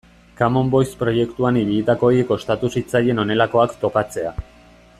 Common Voice proiektuan ibilitakoei kostatu zitzaien honelakoak topatzea.